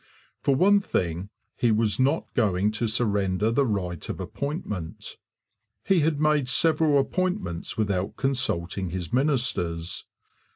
For one thing, he was not going to surrender the right of appointment. He had made several appointments without consulting his ministers.